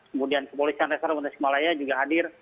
kemudian kepolisian reservenasi malaya juga hadir